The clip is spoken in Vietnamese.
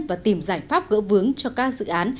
và tìm giải pháp gỡ vướng cho các dự án